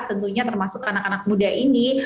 tentunya termasuk anak anak muda ini